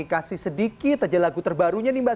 kasih sedikit aja lagu terbarunya nih mbak